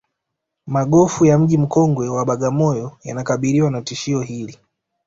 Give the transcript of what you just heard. magofu ya mji mkongwe wa bagamoyo yanakabiriwa na tishio hili